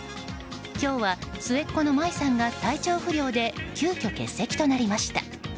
今日は末っ子の舞衣さんが体調不良で急きょ欠席となりました。